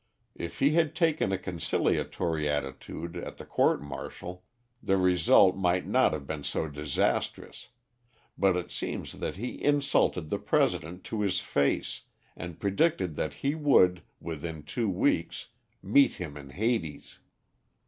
If he had taken a conciliatory attitude at the court martial, the result might not have been so disastrous; but it seems that he insulted the President to his face, and predicted that he would, within two weeks, meet him in Hades.